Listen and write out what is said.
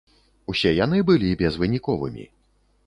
Усе яны былі безвыніковымі.